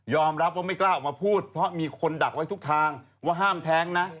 รับว่าไม่กล้าออกมาพูดเพราะมีคนดักไว้ทุกทางว่าห้ามแท้งนะ